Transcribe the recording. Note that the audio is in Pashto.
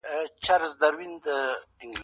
خال ووهي بيده ه سمه زه